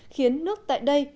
khiến nước tại đây